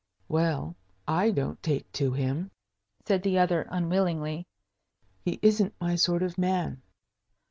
"Well, I don't take to him," said the other, unwillingly. "He isn't my sort of man."